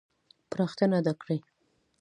پراختیا نه ده کړې.